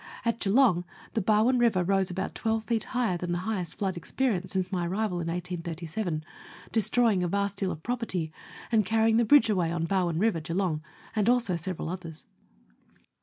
At Geelong the Barwon River rose about twelve feet higher than the highest flood experienced since my arrival in 1837, destroying a vast deal of property, and carrying the bridge away on Barwon River, Geeloug, and also several others.